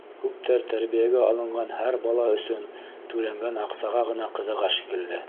Күптәр тәрбиәгә алынған һәр бала өсөн түләнгән аҡсаға ғына ҡыҙыға шикелле.